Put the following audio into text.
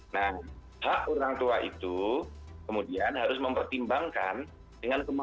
nah hak orang tua itu kemudian harus mempertimbangkan dengan kemampuan